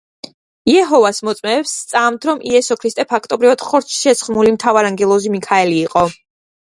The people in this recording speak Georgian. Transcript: იეჰოვას მოწმეებს სწამთ რომ იესო ქრისტე ფაქტობრივად ხორცშესხმული მთავარანგელოზი მიქაელი იყო.